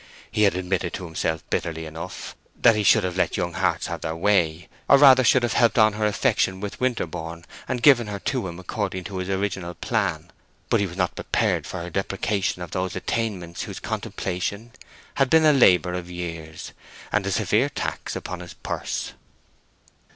He had admitted to himself bitterly enough that he should have let young hearts have their way, or rather should have helped on her affection for Winterborne, and given her to him according to his original plan; but he was not prepared for her deprecation of those attainments whose completion had been a labor of years, and a severe tax upon his purse.